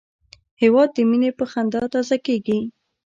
هېواد د مینې په خندا تازه کېږي.